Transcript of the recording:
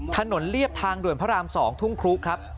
เรียบทางด่วนพระราม๒ทุ่งครุครับ